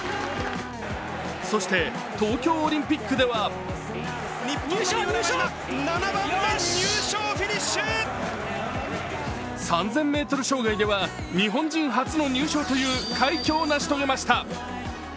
そして、東京オリンピックでは３０００ｍ障害では日本人初の入賞という快挙を成し遂げました。